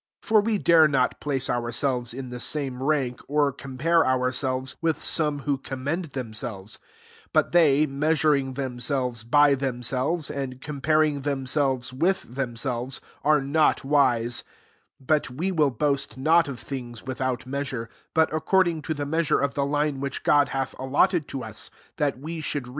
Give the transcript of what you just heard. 12 For we dare not place ourselves in the same rank, or compare ourselves, with some who commend themisrelves : but they, measuring themselves by themselves, and comparing themselves with themselvesf, [are not vnae, 13 But w^l [will boast] not of things without measure ; but according to the measure of the line which God hath allotted to us, that we should rc^ch even to you.